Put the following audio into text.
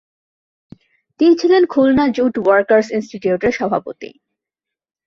তিনি ছিলেন Khulna jute workers ইনস্টিটিউটের সভাপতি।